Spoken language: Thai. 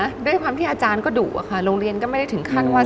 จุดการงี้ป่านก็ดู่โรงเรียนไม่ถึงขั้นว่า